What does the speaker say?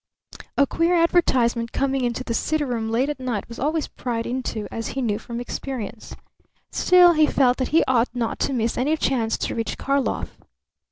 A queer advertisement coming into the city room late at night was always pried into, as he knew from experience. Still, he felt that he ought not to miss any chance to reach Karlov.